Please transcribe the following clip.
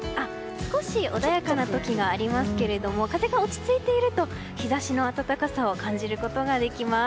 少し穏やかな時がありますけれども風が落ち着いていると日差しの暖かさを感じることができます。